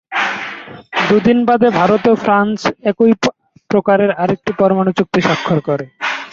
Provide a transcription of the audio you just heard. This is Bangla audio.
দুদিন বাদে ভারত ও ফ্রান্স একই প্রকারের আরেকটি পরমাণু চুক্তি সাক্ষর করে।